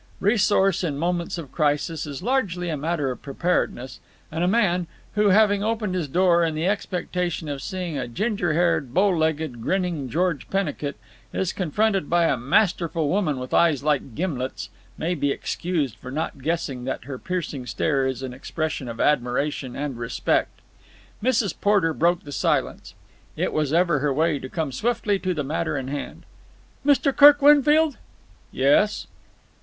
Resource in moments of crisis is largely a matter of preparedness, and a man, who, having opened his door in the expectation of seeing a ginger haired, bow legged, grinning George Pennicut, is confronted by a masterful woman with eyes like gimlets, may be excused for not guessing that her piercing stare is an expression of admiration and respect. Mrs. Porter broke the silence. It was ever her way to come swiftly to the matter in hand. "Mr. Kirk Winfield?" "Yes."